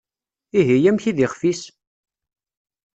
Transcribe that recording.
Ihi, amek i d ixf-is?